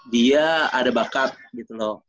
dia ada bakat gitu loh